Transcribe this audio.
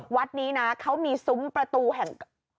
วัดนี้นะเขามีซุ้มประตูแห่ง